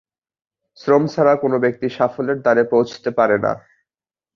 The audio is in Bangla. শ্রম ছাড়া কোনো ব্যক্তি সাফল্যের দ্বারে পৌছতে পারে না।